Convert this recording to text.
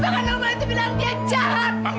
maka normal itu bilang dia jahat